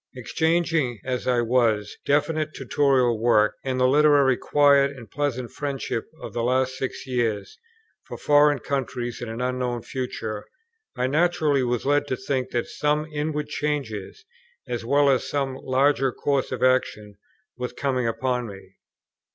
Exchanging, as I was, definite Tutorial work, and the literary quiet and pleasant friendships of the last six years, for foreign countries and an unknown future, I naturally was led to think that some inward changes, as well as some larger course of action, were coming upon me.